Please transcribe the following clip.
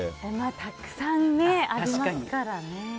たくさんありますからね。